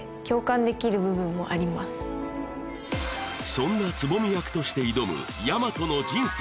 そんな蕾未役として挑む大和の人生